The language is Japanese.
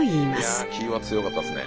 いや気は強かったですね。